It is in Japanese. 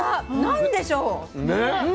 何でしょう？